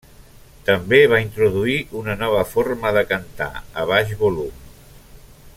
També va introduir una nova forma de cantar, a baix volum.